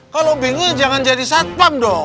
kalau bingung jangan jadi satpam dong